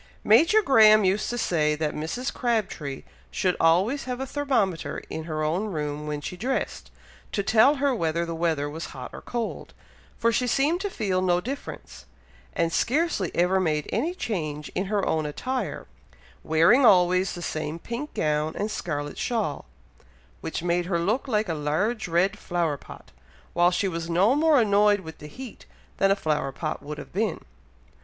Major Graham used to say that Mrs. Crabtree should always have a thermometer in her own room when she dressed, to tell her whether the weather was hot or cold, for she seemed to feel no difference, and scarcely ever made any change in her own attire, wearing always the same pink gown and scarlet shawl, which made her look like a large red flower pot, while she was no more annoyed with the heat than a flower pot would have been.